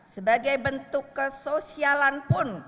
sebagai bentuk kesosialan pun